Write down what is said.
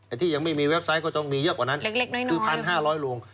ไอ้ที่ยังไม่มีเว็บไซต์ก็ต้องมีเยอะกว่านั้นเล็กเล็กน้อยน้อยคือพันห้าร้อยโรง